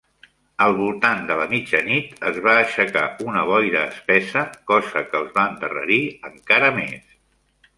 Al voltant de la mitja nit es va aixecar una boira espessa, cosa que els va endarrerir encara més.